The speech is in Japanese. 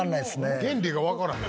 原理がわからへん。